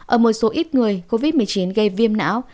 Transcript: ở một số ít người covid một mươi chín gây viêm não